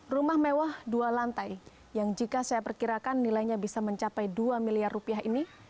rumah mewah dua lantai yang jika saya perkirakan nilainya bisa mencapai dua miliar rupiah ini